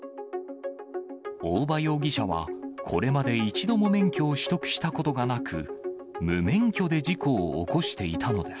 大場容疑者は、これまで一度も免許を取得したことがなく、無免許で事故を起こしていたのです。